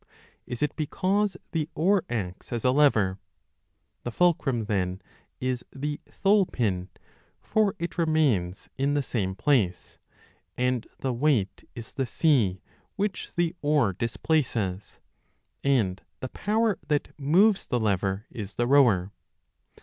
Is it because the oar acts as a lever ? The fulcrum then is the thole pin (for it remains in the same place) ; and the weight is the sea which the oar dis places ; and the power that moves the lever is the rower.